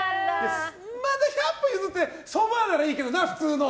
まだ百歩譲ってそばならいいけどな、普通の。